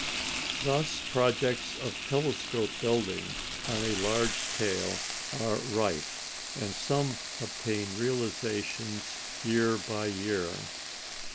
Thus projects of telescope building on a large scale are rife, and some obtain realisation year by year.